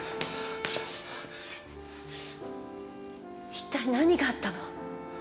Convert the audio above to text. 一体何があったの？